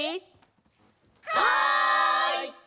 はい！